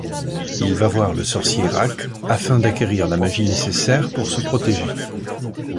Il va voir le sorcier Rack, afin d'acquérir la magie nécessaire pour se protéger.